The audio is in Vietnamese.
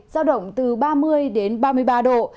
giao động từ ba mươi đến ba mươi ba độ